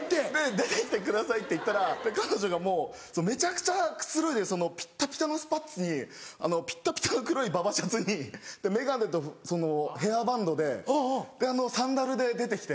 「出て来てください」って言ったら彼女がもうめちゃくちゃくつろいでるピッタピタのスパッツにピッタピタの黒いババシャツに眼鏡とヘアバンドでサンダルで出て来て。